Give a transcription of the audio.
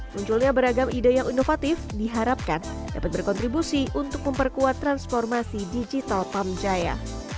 munculnya beragam ide yang inovatif diharapkan dapat berkontribusi untuk memperkuat transformasi digital pamjaya